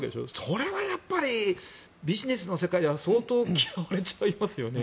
それはビジネスの世界じゃ相当嫌われちゃいますよね。